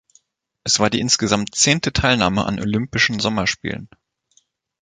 Es war die insgesamt zehnte Teilnahme an Olympischen Sommerspielen.